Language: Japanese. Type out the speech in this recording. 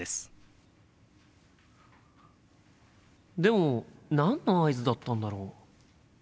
心の声でも何の合図だったんだろう？